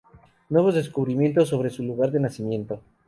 Nuevos descubrimientos sobre su lugar de nacimiento